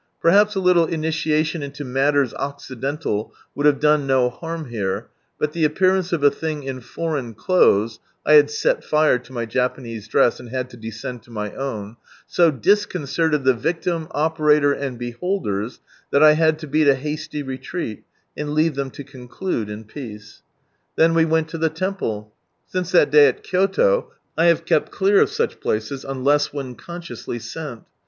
Perhaps a little initiation into matters occidental would have done no harm here, but the appearance of a thing in foreign clothes (I had set fire to my Japanese dress, and had to descend to my own,) so disconcerted the victim, operator, and beholders, that I had to beat a hasty retreat, and leave them to conclude in peace. Then we went to the Temple. Since that day at Kyoto, I have kept clear of such places, unless when consciously sent.